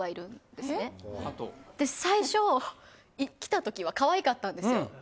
最初来た時はかわいかったんですよ。